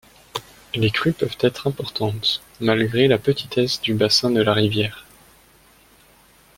Les crues peuvent être importantes, malgré la petitesse du bassin de la rivière.